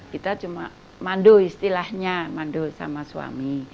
kita cuma mandu istilahnya mandu sama suami